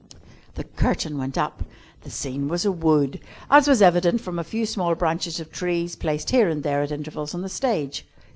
The curtain went up. The scene was a wood, as was evident from a few small branches of trees placed here and there at intervals on the stage.